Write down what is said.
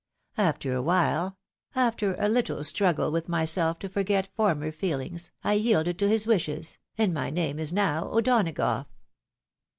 After a while — after a little struggle with myself to forget former feel ings, I yielded to his wishes, and my name is now O'Donagough."